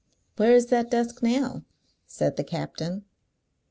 "Where is that desk now?" said the captain.